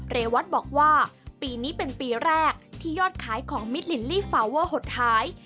เรวัตบอกว่าปีนี้เป็นปีแรกที่ยอดขายของมิดลิลลี่ฟาวเวอร์หดหาย